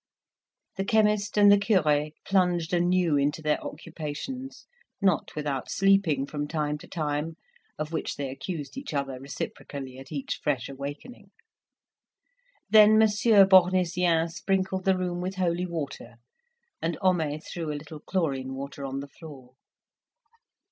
The chemist and the cure plunged anew into their occupations, not without sleeping from time to time, of which they accused each other reciprocally at each fresh awakening. Then Monsieur Bournisien sprinkled the room with holy water and Homais threw a little chlorine water on the floor.